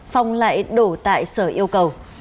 phòng lại đổ tại sở yêu cầu